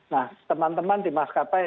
nah teman teman di maskapai